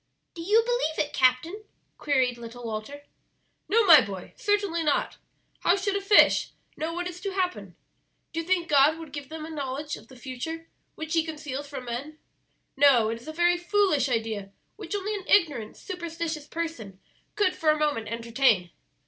"Do you believe it, captain?" queried little Walter. "No, my boy, certainly not; how should a fish know what is about to happen? Do you think God would give them a knowledge of the future which He conceals from men? No, it is a very foolish idea which only an ignorant, superstitious person could for a moment entertain.